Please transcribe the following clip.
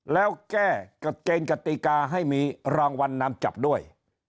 แล้วแก้เกณฑ์กติกาให้มีรางวัลนำจับด้วย